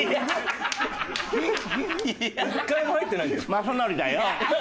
雅紀だよ。